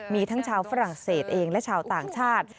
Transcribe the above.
มีทั้งชาวฝรั่งเศสเองและชาวต่างชาติ